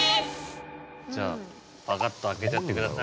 じゃあパカっと開けちゃってください。